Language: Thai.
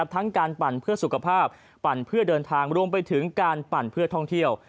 ทั้งการปั่นเพื่อสุขภาพปั่นเพื่อเดินทางรวมไปถึงการปั่นเพื่อท่องเที่ยว